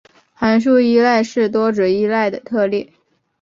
函数依赖是多值依赖的特例。